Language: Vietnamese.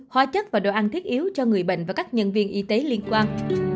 hóa chất và đồ ăn thiết yếu cho người bệnh và các nhân viên y tế liên quan